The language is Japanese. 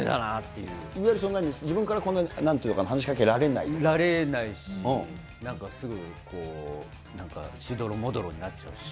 いわゆる、そんなに自分から、なんというのかな、話しかけられない？られないし、なんか、すぐなんか、しどろもどろになっちゃうし。